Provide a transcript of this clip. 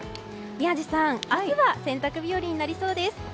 宮司さん、明日は洗濯日和になりそうです。